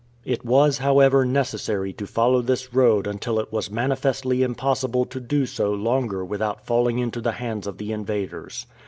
It was, however, necessary to follow this road until it was manifestly impossible to do so longer without falling into the hands of the invaders.